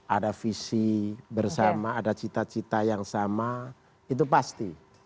ada visi bersama ada cita cita yang sama itu pasti